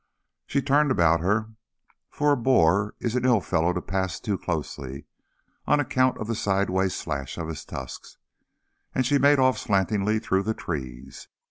She turned about her, for a boar is an ill fellow to pass too closely, on account of the sideway slash of his tusks, and she made off slantingly through the trees.